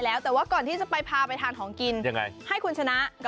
แล้วว่าก่อนที่จะไปปาก